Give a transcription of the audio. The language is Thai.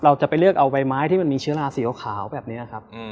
เราจะไปเลือกเอาใบไม้ที่มันมีเชื้อราสีขาวแบบนี้ครับ